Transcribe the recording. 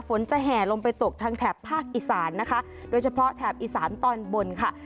ฝนจะแห่ลงไปตกทางแถบภาคอีสานนะคะโดยเฉพาะแถบอีสานตอนบนค่ะ